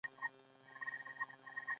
ایران د خطاطۍ هنر ژوندی ساتلی.